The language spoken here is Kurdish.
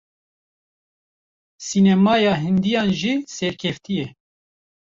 Sînemaya Hindiyan jî serkevtî ye.